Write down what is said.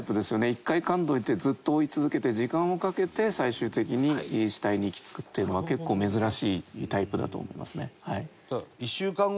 １回噛んどいてずっと追い続けて時間をかけて最終的に死体に行き着くっていうのは結構珍しいタイプだと思いますね。